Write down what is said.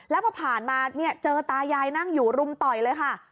แล้วพอผ่านมาเนี่ยเจอตายายนั่งอยู่รุมต่อยเลยค่ะ